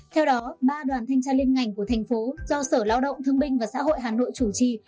theo đó ba đoàn thanh tra liên ngành của thành phố do sở lao động thương binh và xã hội hà nội chủ trì